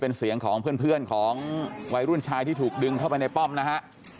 เป็นเสียงของเพื่อนของวัยรุ่นชายที่ถูกดึงเข้าไปในป้อมนะฮะ